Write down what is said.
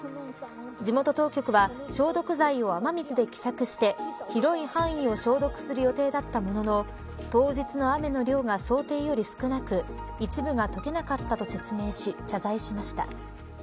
地元当局は消毒剤を雨水で希釈して広い範囲を消毒する予定だったものの当日の雨の量が想定より少なく一部が溶けなかったと説明し謝罪しました。